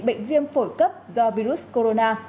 bệnh viêm phổi cấp do virus corona